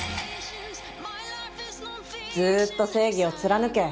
ずーっと正義を貫け。